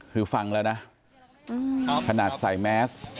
คือฟังแล้วนะขนาดใส่แมส